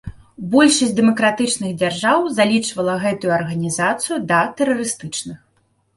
Большасць дэмакратычных дзяржаў залічвала гэтую арганізацыю да тэрарыстычных.